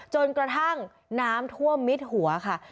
จนกระทั่งน้ำท่วมมิดหัวค่ะ